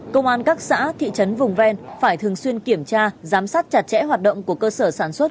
công an các xã thị trấn vùng ven phải thường xuyên kiểm tra giám sát chặt chẽ hoạt động của cơ sở sản xuất